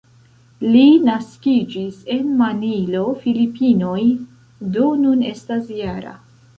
Li naskiĝis en Manilo, Filipinoj, do nun estas -jara.